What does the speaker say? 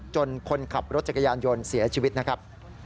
คนขับรถจักรยานยนต์เสียชีวิตนะครับ